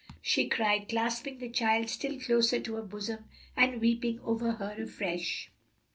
she cried, clasping the child still closer to her bosom and weeping over her afresh.